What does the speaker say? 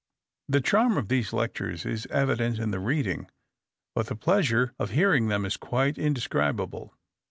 The charm of these lectures is evident in the reading, but the pleasure of hearing them is quite indescribable.